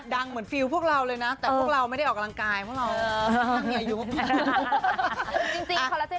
ดังเหมือนฟิลพวกเราเลยนะแต่พวกเราไม่ได้ออกกำลังกายพวกเรา